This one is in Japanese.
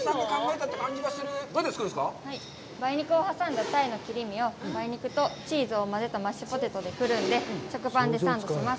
梅肉を挟んだ鯛の切り身を梅肉とチーズを混ぜたマッシュポテトでくるんで食パンでサンドします。